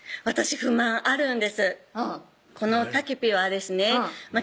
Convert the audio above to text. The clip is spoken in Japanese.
私不満あるんですこのたけぴはですね